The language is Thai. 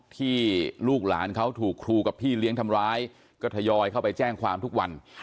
ที่ลูกหลานเขาถูกครูกับพี่เลี้ยงทำร้ายก็ทยอยเข้าไปแจ้งความทุกวัน